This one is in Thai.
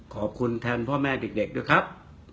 ขอบคุณแทนพ่อแม่เด็กด้วยครับ